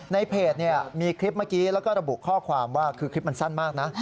ในเพจมีคลิปเมื่อกี้แล้วก็ระบุข้อความว่าคือคลิปมันสั้นมากนะ